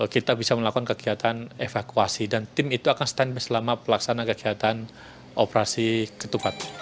kita bisa melakukan kegiatan evakuasi dan tim itu akan stand by selama pelaksana kegiatan operasi ketupat